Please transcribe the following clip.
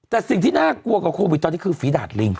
แต่สิ่งที่น่ากลัวกับโควิดตอนนี้คือฝีดาดลิง